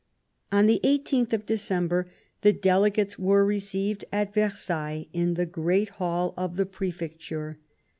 On the i8th of December the Delegates were re ceived at Versailles in the Great Hall of the Prefec ture.